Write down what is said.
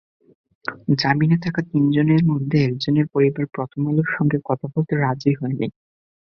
জামিনে থাকা তিনজনের মধ্যে একজনের পরিবার প্রথম আলোর সঙ্গে কথা বলতে রাজি হয়নি।